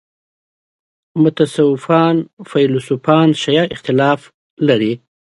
متصوفان فیلسوفان شیعه اختلاف لري.